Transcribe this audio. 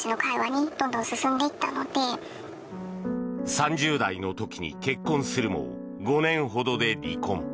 ３０代の時に結婚するも５年ほどで離婚。